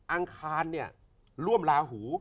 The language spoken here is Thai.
อังคารเนี่ยร่วมลาหู